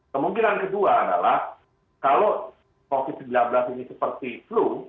kemungkinan kedua adalah kalau covid sembilan belas ini seperti flu